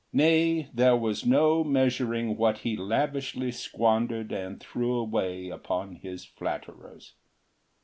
Nay, there was no measuring what he lavishly squandered and threw away upon his flatterers.